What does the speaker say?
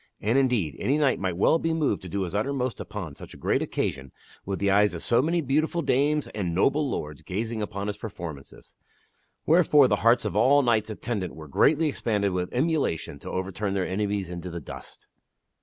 And, indeed, any knight might well 12 THE WINNING OF KINGHOOD be moved to do his uttermost upon such a great occasion with the eyes of so many beautiful dames and noble lords gazing upon his performances. Wherefore the hearts of all the knights attendant were greatly expanded with emulation to overturn their enemies into the dust.